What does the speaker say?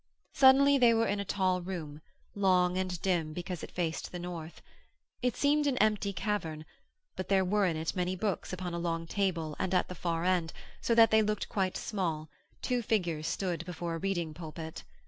Suddenly they were in a tall room, long, and dim because it faced the north. It seemed an empty cavern, but there were in it many books upon a long table and at the far end, so that they looked quite small, two figures stood before a reading pulpit.